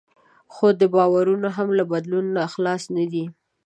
خو دا باورونه هم له بدلون نه خلاص نه دي.